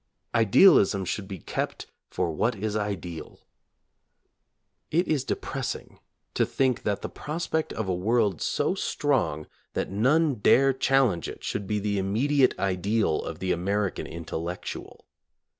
Idealism should be kept for what is ideal. It is depressing to think that the prospect of a world so strong that none dare challenge it should be the immediate ideal of 'the American intellectual.